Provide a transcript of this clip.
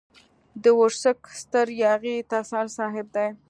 د ورسک ستر ياغي تسل صاحب دی.